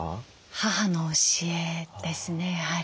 母の教えですねやはり。